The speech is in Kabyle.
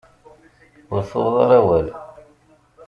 Ur tuɣeḍ ara awal.